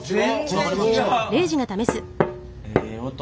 ええ音。